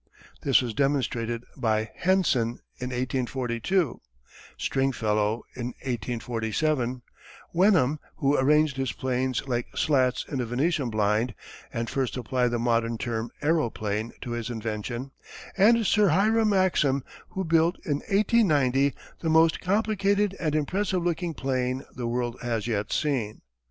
This was demonstrated by Henson, in 1842, Stringfellow, in 1847, Wenham, who arranged his planes like slats in a Venetian blind and first applied the modern term "aeroplane" to his invention, and Sir Hiram Maxim, who built in 1890 the most complicated and impressive looking 'plane the world has yet seen.